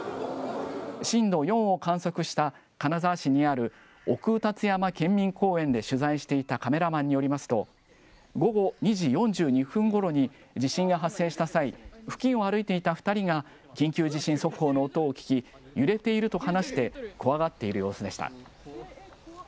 震度４を観測した金沢市にある奥卯辰山健民公園で取材していたカメラマンによりますと、午後２時４２分ごろに地震が発生した際、付近を歩いていた２人が緊急地震速報の音を聞き、揺れていると話して怖がっている様子でした。